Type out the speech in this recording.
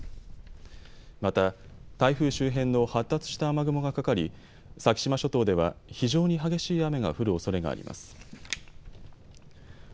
また、台風周辺の発達した雨雲がかかり、先島諸島では非常に激しい雨が降るおそれがあります。